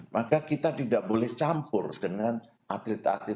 maka kita tidak boleh campur dengan atlet atlet